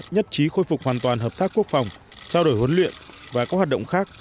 nhất trí khôi phục hoàn toàn hợp tác quốc phòng trao đổi huấn luyện và các hoạt động khác